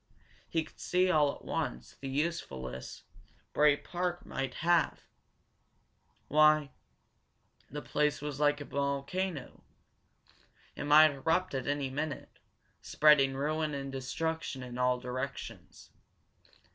He could see, all at once, the usefulness Bray Park might have. Why, the place was like a volcano! It might erupt at any minute, spreading ruin and destruction in all directions.